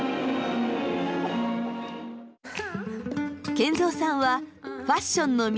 賢三さんはファッションの都